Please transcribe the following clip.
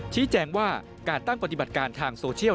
ชี้แจงว่าการตั้งปฏิบัติการทางโซเชียล